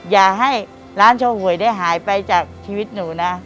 อย่าให้ร้านโชว์หวยได้หายไปจากชีวิตหนูนะ